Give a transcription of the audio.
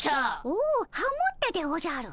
おおハモったでおじゃる。